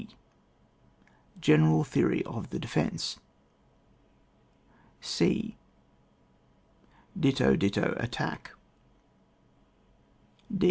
B. — General Theory of the Defence. C. — Ditto, Ditto, Attack.